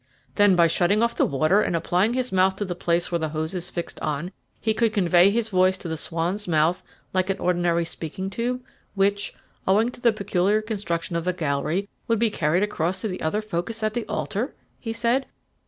"Then, by shutting off the water, and applying his mouth to the place where the hose is fixed on, he could convey his voice to the swan's mouth like an ordinary speaking tube, which, owing to the peculiar construction of the gallery, would be carried across to the other focus at the altar?" he said.